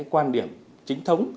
quan điểm chính thống